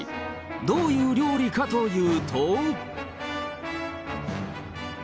どういう料理かというと。